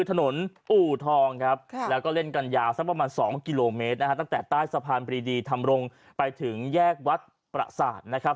ถนนอู่ทองครับแล้วก็เล่นกันยาวสักประมาณ๒กิโลเมตรนะฮะตั้งแต่ใต้สะพานปรีดีธรรมรงค์ไปถึงแยกวัดประสาทนะครับ